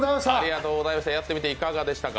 やってみていかがでしたか？